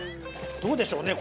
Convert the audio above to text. どうでしょうね？